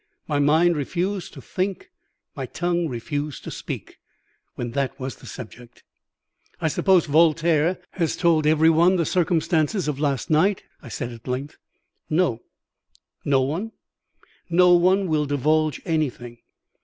My mind refused to think, my tongue refused to speak, when that was the subject. "I suppose Voltaire has told every one the circumstances of last night?" I said at length. "No." "No one?" "No one that will divulge anything.